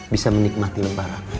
bisa menikmati lebaran